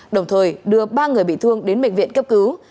đồng thời đưa ba người bị thương đến bệnh viện cấp cứu